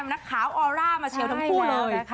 นักข่าวออร่ามาเชียวทั้งคู่เลย